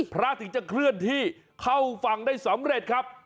ถึงจะเคลื่อนที่เข้าฝั่งได้สำเร็จครับ